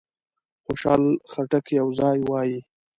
خوشحال خټک یو ځای وایي.